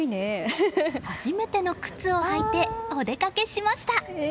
初めての靴を履いてお出かけしました。